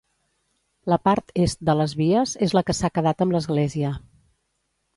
La part est de les vies és la que s'ha quedat amb l'església.